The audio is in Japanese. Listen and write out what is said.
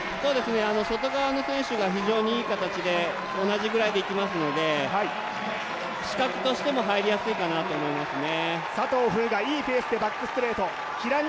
外側の選手が非常にいい形で、同じくらいできますので視覚としても入りやすいかなと思いますね。